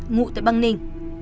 ngụ tại băng ninh